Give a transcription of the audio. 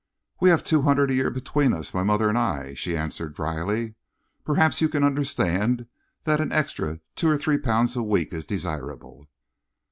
"We have two hundred a year between us, my mother and I," she answered drily. "Perhaps you can understand that an extra two or three pounds a week is desirable."